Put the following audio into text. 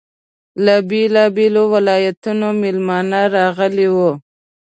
له بېلابېلو ولایتونو میلمانه راغلي وو.